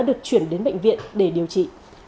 được chuyển đến bệnh viện để điều trị